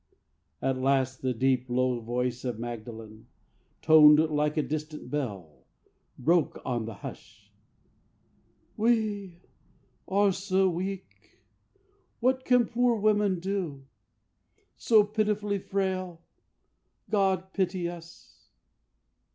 At last the deep, low voice of Magdalen, Toned like a distant bell, broke on the hush: "We are so weak! What can poor women do? So pitifully frail! God pity us!